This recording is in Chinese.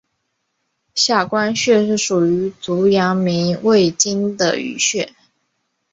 下关穴是属于足阳明胃经的腧穴。